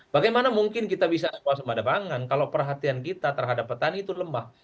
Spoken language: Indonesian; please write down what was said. bagaimana mungkin kita bisa waspada pangan kalau perhatian kita terhadap petani itu lemah